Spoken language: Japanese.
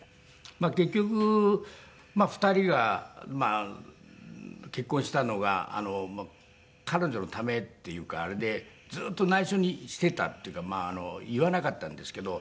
結局２人が結婚したのが彼女のためっていうかあれでずっと内緒にしていたっていうか言わなかったんですけど。